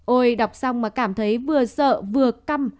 ôi đọc xong mà cảm thấy vừa sợ vừa căm